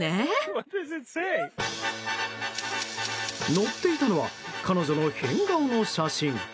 載っていたのは彼女の変顔の写真。